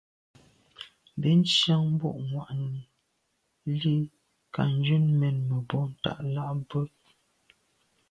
Bìn síáŋ bû’ŋwà’nǐ lî kά njə́n mə̂n mbwɔ̀ ntὰg lά bwə́.